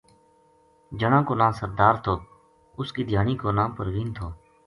جنا کو ناں سردار تھو اُس کی دھیانی کو ناں پروین تھو